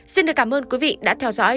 xin được cảm ơn quý vị đã theo dõi